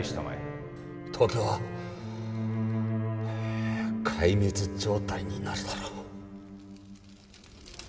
東京は壊滅状態になるだろう。